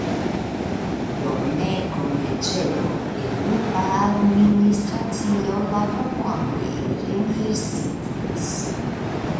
Pro nekonviĝeblo de urba administracio la proponoj renversitis.